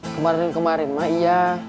kemarin kemarin mah iya